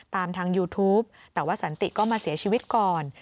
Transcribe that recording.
ตามทางยูทูปแต่ว่าสันติก็มาเสียชีวิตก่อน